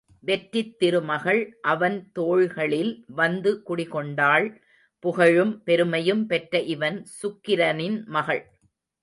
வெற்றித் திருமகள் அவன் தோள்களில் வந்து குடிகொண்டாள் புகழும் பெருமையும் பெற்ற இவன் சுக்கிரனின் மகள்.